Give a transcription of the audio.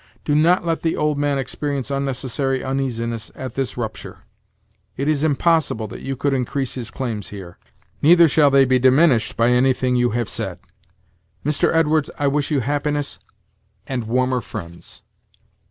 Do not let the old man experience unnecessary uneasiness at this rupture. It is impossible that you could increase his claims here; neither shall they be diminished by any thing you have said. Mr. Edwards, I wish you happiness, and warmer friends."